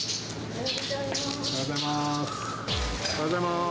おはようございます。